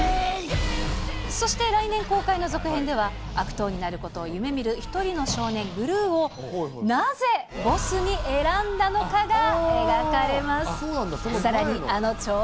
そして来年公開の続編では、悪党になることを夢みる１人の少年、グルーをなぜボスに選んだのかが描かれます。